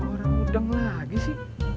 warung udeng lagi sih